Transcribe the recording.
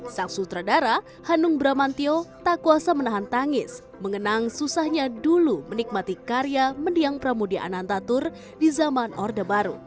sang sutradara hanung bramantio tak kuasa menahan tangis mengenang susahnya dulu menikmati karya mendiang pramudia anantatur di zaman orde baru